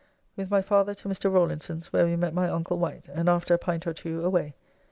With my father to Mr. Rawlinson's, where we met my uncle Wight, and after a pint or two away.